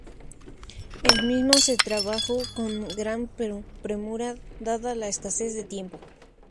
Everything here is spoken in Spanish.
El mismo se trabajó con gran premura dada la escasez de tiempo.